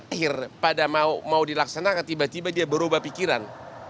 akhir pada mau dilaksanakan tiba tiba dia berubah pikiran